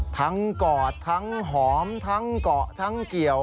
กอดทั้งหอมทั้งเกาะทั้งเกี่ยว